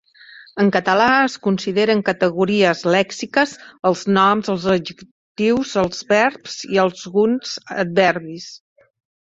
En català es consideren categories lèxiques els noms, els adjectius, els verbs i alguns adverbis.